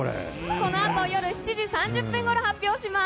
このあと夜７時３０分ごろから発表します。